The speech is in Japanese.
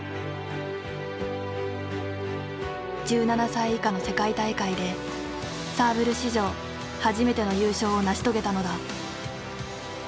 １７歳以下の世界大会でサーブル史上初めての優勝を成し遂げたのだ。